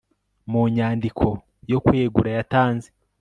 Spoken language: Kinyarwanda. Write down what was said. munyandiko yo kwegura yatanze